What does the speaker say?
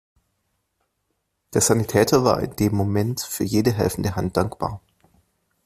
Der Sanitäter war in dem Moment für jede helfende Hand dankbar.